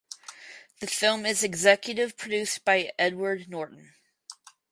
The film is executive produced by Edward Norton.